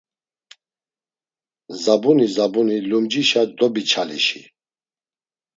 Zabuni zabuni lumcişa dobiçalişi.